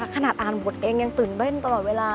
ขนาดอ่านบทเองยังตื่นเต้นตลอดเวลา